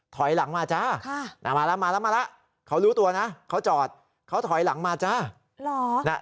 ถอยหลังมาจ้ามาแล้วมาแล้วมาแล้วเขารู้ตัวนะเขาจอดเขาถอยหลังมาจ้าเหรอ